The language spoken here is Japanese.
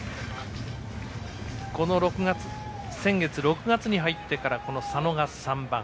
先月、６月に入ってからこの佐野が３番。